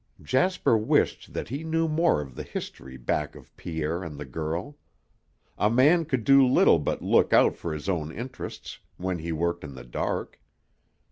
Jasper wished that he knew more of the history back of Pierre and the girl. A man could do little but look out for his own interests, when he worked in the dark.